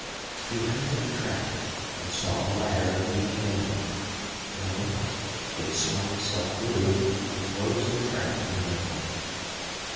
He ran to the trap, and saw a ladder leading down. In a moment he had swung himself through and closed the trap behind him.